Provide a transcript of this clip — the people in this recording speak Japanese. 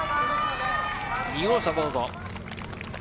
２号車、どうぞ。